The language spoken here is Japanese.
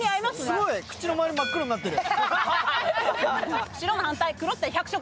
すごい口の周り、真っ黒になってる。